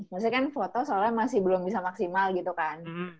maksudnya kan foto soalnya masih belum bisa maksimal gitu kan